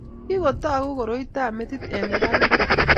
kikutoku koroitab metit eng' neranik